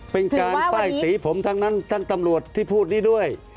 เป็นการป้ายสีผมทั้งนั้นทั้งตำรวจที่พูดนี้ด้วย